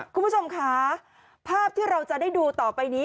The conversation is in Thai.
คุณผู้ชมค่ะภาพที่เราจะได้ดูต่อไปนี้